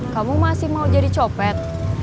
kamu masih mau jadi copet